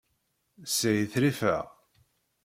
Shitrifeɣ.